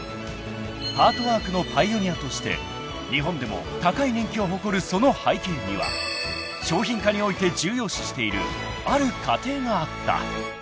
［パートワークのパイオニアとして日本でも高い人気を誇るその背景には商品化において重要視しているある過程があった］